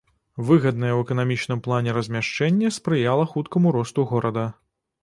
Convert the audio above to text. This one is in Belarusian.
Выгаднае ў эканамічным плане размяшчэнне спрыяла хуткаму росту горада.